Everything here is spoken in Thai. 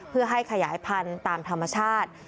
เพื่อให้ขยายพันธุ์ตามธรรมชาติ